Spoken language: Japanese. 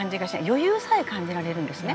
余裕さえ感じられるんですね。